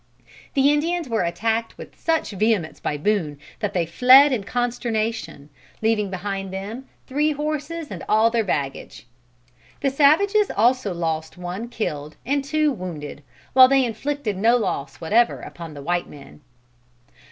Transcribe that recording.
The Indians were attacked with such vehemence by Boone, that they fled in consternation, leaving behind them three horses and all their baggage. The savages also lost one killed and two wounded, while they inflicted no loss whatever upon the white men.